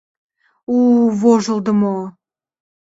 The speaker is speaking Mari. У-у, вожылдымо!